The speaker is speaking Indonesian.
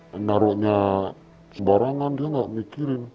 menaruhnya sebarangan dia nggak mikirin